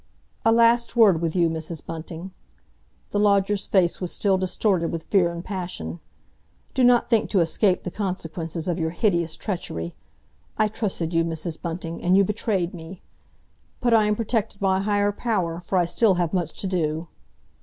"A last word with you, Mrs. Bunting." The lodger's face was still distorted with fear and passion. "Do not think to escape the consequences of your hideous treachery. I trusted you, Mrs. Bunting, and you betrayed me! But I am protected by a higher power, for I still have much to do."